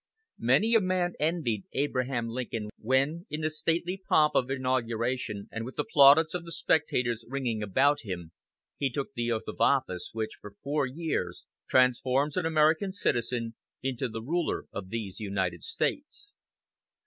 Many a man envied Abraham Lincoln when, in the stately pomp of inauguration and with the plaudits of the spectators ringing about him, he took the oath of office which for four years transforms an American citizen into the ruler of these United States.